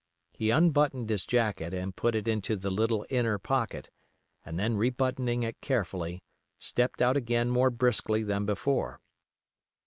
He unbuttoned his jacket and put it into the little inner pocket, and then rebuttoning it carefully, stepped out again more briskly than before.